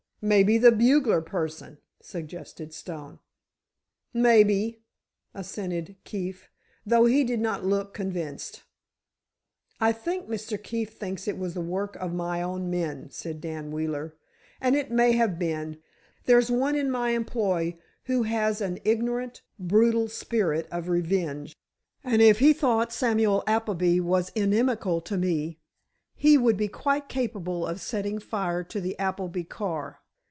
"Maybe the bugler person," suggested Stone. "Maybe," assented Keefe, though he did not look convinced. "I think Mr. Keefe thinks it was the work of my own men," said Dan Wheeler. "And it may have been. There's one in my employ who has an ignorant, brutal spirit of revenge, and if he thought Samuel Appleby was inimical to me, he would be quite capable of setting fire to the Appleby car.